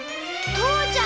父ちゃん